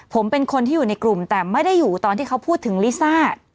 ผมเป็นคนที่อยู่ในกลุ่มแต่ไม่ได้อยู่ตอนที่เขาพูดถึงลิซ่า